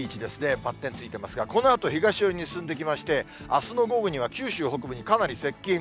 ばってんついてますが、このあと東寄りに進んできまして、あすの午後には九州北部にかなり接近。